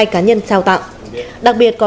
hai cá nhân trao tặng đặc biệt có